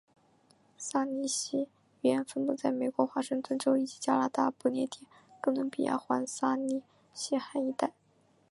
萨利希语言分布在美国华盛顿州以及加拿大不列颠哥伦比亚环萨利希海一带。